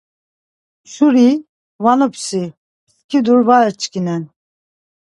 Şuri şvanupsşi pskidur ya açkinen.